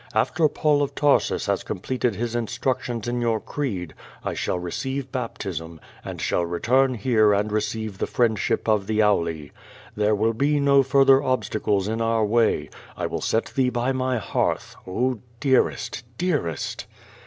After Paul of Tar sus has completed his instructions in your creed, I shall re ceive baptism, and shall return here and receive the friendship of the Auli. There will be no further obstacles in our way. I will set thee bv niv hearth, oh, dearest! dearest!"